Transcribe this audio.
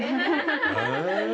へえ。